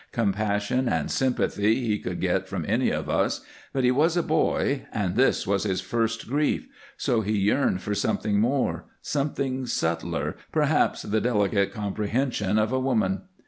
Compassion and sympathy he could get from any of us, but he was a boy and this was his first grief, so he yearned for something more, something subtler, perhaps the delicate comprehension of a woman.